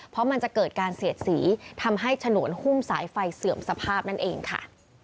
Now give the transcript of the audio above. เพราะมันจะเกิดการเสียดสีทำให้ฉนวนหุ้มสายไฟเสื่อมสภาพนั่นเองค่ะ